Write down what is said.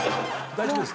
大丈夫です。